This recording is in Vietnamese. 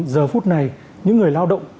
giờ phút này những người lao động